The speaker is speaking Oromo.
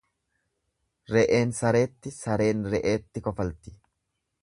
Re'een sareetti, sareen re'eetti kofalti.